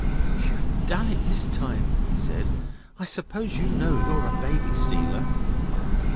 'You've done it this time,' he said. 'I suppose you know you're a baby stealer?